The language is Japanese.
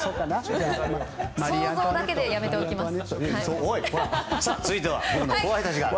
想像だけでやめておきます。